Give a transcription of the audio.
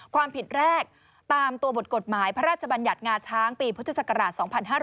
ความผิดแรกตามตัวบทกฎหมายพระราชบัญญัติงาช้างปีพุทธศักราช๒๕๕๙